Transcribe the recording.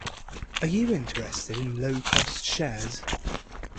Are you interested in low-cost shares?